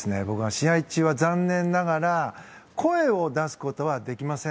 試合中は残念ながら声を出すことはできません。